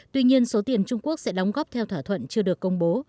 tuy nhiên số tiền trung quốc sẽ đóng góp theo thỏa thuận chưa được công bố